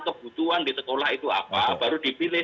kebutuhan di sekolah itu apa baru dipilih